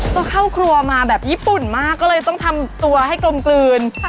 ต้องเข้าครัวมาแบบญี่ปุ่นมากก็เลยต้องทำตัวให้กลมกลืน